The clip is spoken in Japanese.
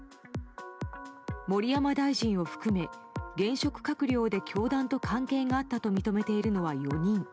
盛山大臣を含め現職閣僚で教団と関係があったと認めているのは４人。